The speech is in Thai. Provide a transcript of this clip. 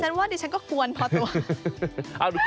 ดิฉันว่าดิฉันก็กวนพอตัว